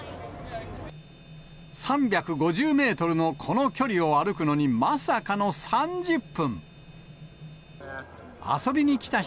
３５０メートルのこの距離を歩くのに、まさかの３０分。